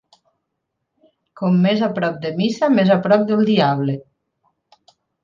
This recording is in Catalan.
Com més a prop de missa, més a prop del diable.